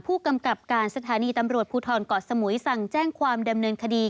ผู้กำกับการสถานีตำรวจภูทรเกาะสมุยสั่งแจ้งความดำเนินคดี